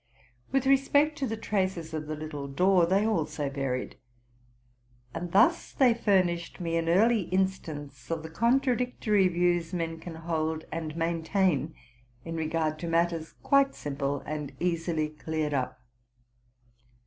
With respect to the traces of the little door, they also varied. And thus they furnished me an early instance of the contra dlictory views men can hold and maintain in regard to mat ters quite simple and easily cleared up.